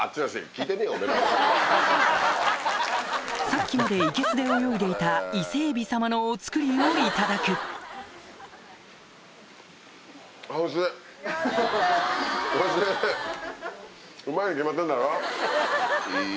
さっきまでいけすで泳いでいた伊勢エビ様のお造りをいただく楽しい！